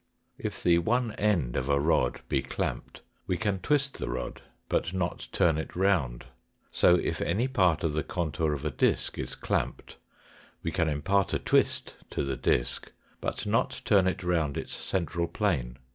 If the one end of a rod be clamped, we can twist the rod, but not turn it round ; so if any part of the contour of a disk is clamped we can impart a twist to the disk, but not turn it round its central plane.